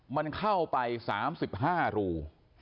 มันเข้าไป๓๕รู